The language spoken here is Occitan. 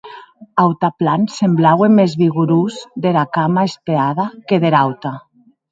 Autanplan semblaue mès vigorós dera cama espeada que dera auta.